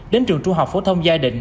đến trường trung học phổ thông gia định